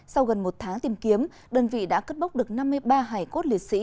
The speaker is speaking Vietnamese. sau gần một tháng tìm kiếm đơn vị đã cất bóc được năm mươi ba hải cốt lịch sĩ